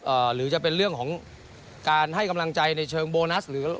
หรือจะเป็นเรื่องของการให้กำลังใจในเชิงโบนัสหรือ